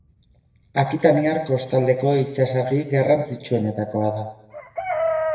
Akitaniar kostaldeko itsasargi garrantzitsuenetakoa da.